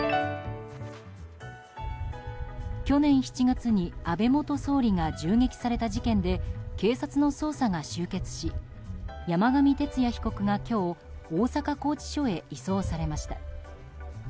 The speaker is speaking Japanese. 去年７月に安倍元総理が銃撃された事件で警察の捜査が終結し山上徹也被告が今日大阪拘置所へ移送されました。